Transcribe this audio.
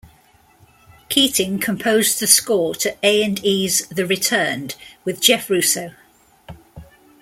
Keating composed the score to A and E's "The Returned" with Jeff Russo.